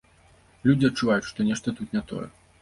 Людзі адчуваюць, што нешта тут не тое.